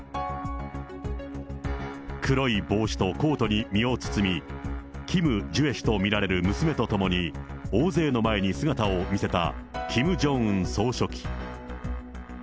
黒い帽子とコートに身を包み、キム・ジュエ氏と見られる娘と共に、大勢の前に姿を見せたキム・ジョンウン総書記。